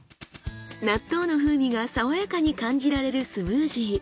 納豆の風味がさわやかに感じられるスムージー。